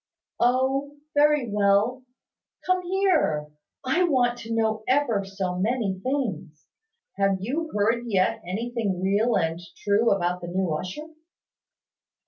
"Oh, very well. Come here. I want to know ever so many things. Have you heard yet anything real and true about the new usher?"